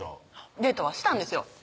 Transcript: デートはしたんですよ